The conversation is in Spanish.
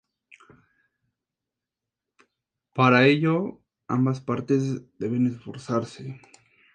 Para ello, ambas partes deben esforzarse.